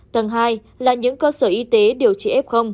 tầng hai là những cơ sở y tế điều trị f